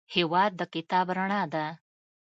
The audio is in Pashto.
هېواد د کتاب رڼا ده.